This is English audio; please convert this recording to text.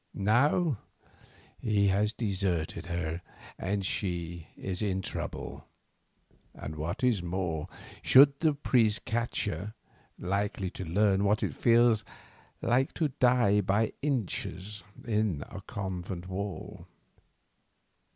Now he has deserted her and she is in trouble, and what is more, should the priests catch her, likely to learn what it feels like to die by inches in a convent wall.